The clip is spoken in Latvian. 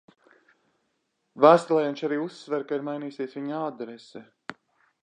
Vēstulē viņš arī uzsver, ka ir mainījusies viņa adrese.